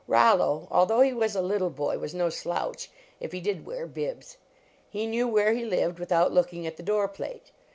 Rollo, although he was a little boy, was no slouch, if he did wear bibs; he knew where he lived without looking at the door plate.